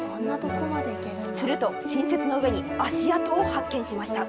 すると、新雪の上に、足跡を発見しました。